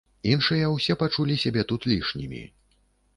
Іншыя ўсе пачулі сябе тут лішнімі.